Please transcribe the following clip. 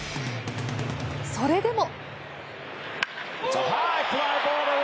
それでも。